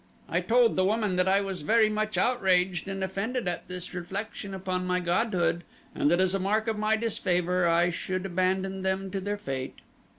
I told the woman that I was very much outraged and offended at this reflection upon my godhood and that as a mark of my disfavor I should abandon them to their fate.